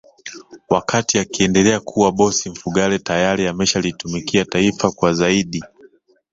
Wakati akiendelea kuwa bosi Mfugale tayari ameshalitumikia taifa kwa zaidi